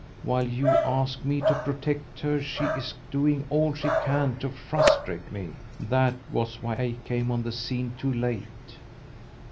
While you ask me to protect her she is doing all she can to frustrate me. That was why I came on the scene too late!"